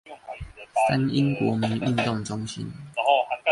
三鶯國民運動中心